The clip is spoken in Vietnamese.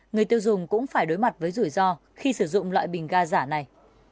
người tiêu dùng cũng phải đối mặt với rủi ro khi sử dụng loại bình ga giả này